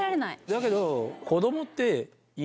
だけど。